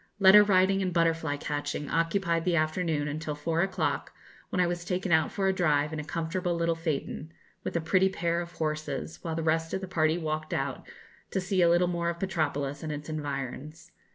Letter writing and butterfly catching occupied the afternoon until four o'clock, when I was taken out for a drive in a comfortable little phaeton, with a pretty pair of horses, while the rest of the party walked out to see a little more of Petropolis and its environs.